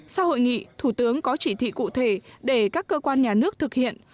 sau hội nghị thủ tướng có chỉ thị cụ thể để các cơ quan nhà nước thực hiện